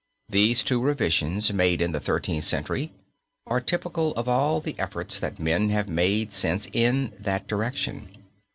These two revisions made in the Thirteenth Century are typical of all the efforts that men have made since in that same direction.